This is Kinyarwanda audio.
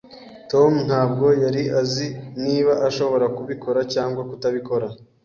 Tom ntabwo yari azi niba ashobora kubikora cyangwa kutabikora.